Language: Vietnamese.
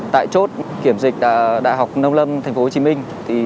tại chốt kiểm dịch đại học nông lâm thành phố hồ chí minh